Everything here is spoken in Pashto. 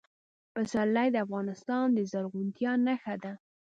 پسرلی د افغانستان د زرغونتیا نښه ده.